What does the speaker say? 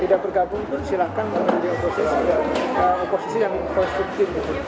tidak bergabung silakan menjadi oposisi yang konstruktif